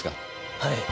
はい。